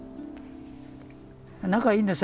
仲いいんですよ